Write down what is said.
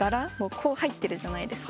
こう入ってるじゃないですか。